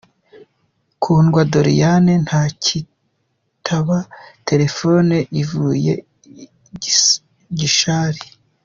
Kundwa Doriane ntacyitaba telefone ivuye i Gishari.